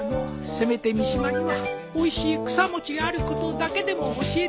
せめて三島にはおいしい草餅があることだけでも教えてあげたかったのう。